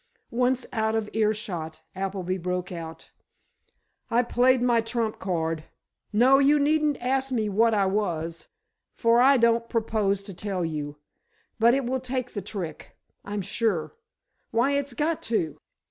Once out of earshot, Appleby broke out: "I played my trump card! No, you needn't ask me what I was, for I don't propose to tell you. But it will take the trick, I'm sure. Why, it's got to!"